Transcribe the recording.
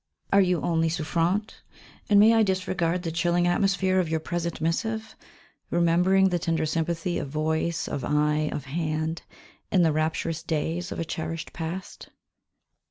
Are you only souffrante, and may I disregard the chilling atmosphere of your present missive, remembering the tender sympathy of voice, of eye, of hand, in the rapturous days of a cherished past?